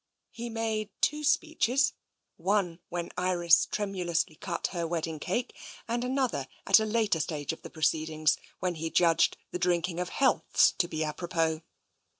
He made two speeches, one when Iris tremulously cut her wedding cake, and another at a later stage of the proceedings, when he judged the drinking of healths to be apropos.